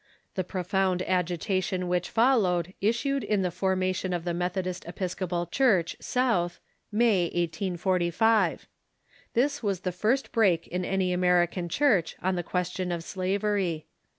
The profound agitation which followed issued in the formation of the Methodist Episcopal Church, South, May, 1845. This was the first break in any American Church on the question of slavery.